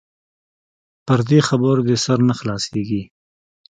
پر دې خبرو دې سر نه خلاصيږي.